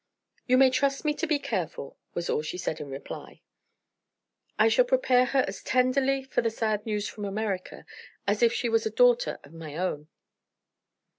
"You may trust me to be careful," was all she said in reply; "I shall prepare her as tenderly for the sad news from America, as if she was a daughter of my own."